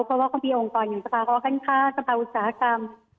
เพราะว่าควรมีองค์กรสภาพออการช่างฆ่าสภาโทษอุตสาหกรรม